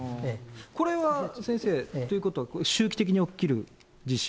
これは先生、ということは周期的に起きる地震？